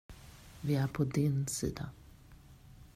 Vi är på din sida.